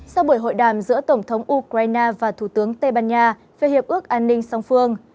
sau buổi hội đàm giữa tổng thống ukraine và thủ tướng tây ban nha về hiệp ước an ninh song phương